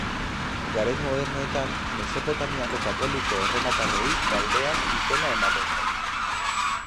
Garai modernoetan, Mesopotamiako katoliko erromatarrei kaldear izena ematen zaie.